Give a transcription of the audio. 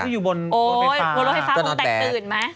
โอ้ยโบราณไฟฟ้าผมแตกตื่นมั้ย